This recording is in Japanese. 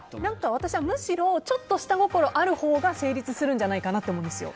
私はむしろちょっと下心あるほうが成立するんじゃないかなって思うんですよ。